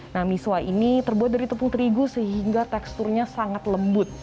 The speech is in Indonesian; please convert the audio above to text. nah misua ini terbuat dari tepung terigu sehingga teksturnya sangat lembut